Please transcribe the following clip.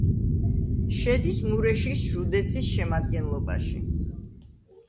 შედის მურეშის ჟუდეცის შემადგენლობაში.